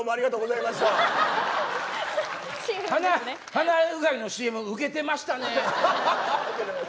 鼻うがいのＣＭウケてましたね。